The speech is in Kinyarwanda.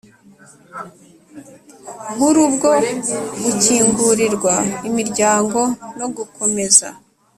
Nkuru bwo gukingurirwa imiryango no gukomeza